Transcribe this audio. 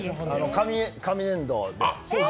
紙粘土で。